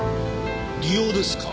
利用ですか？